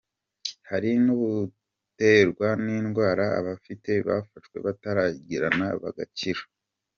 Hari n’ubuterwa n’indwara, ababufite bafashwa batararengerana bagakira.